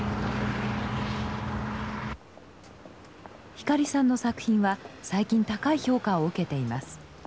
光さんの作品は最近高い評価を受けています。